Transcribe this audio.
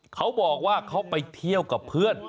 เขาบอกว่าเขาไปเที่ยวกับเพื่อน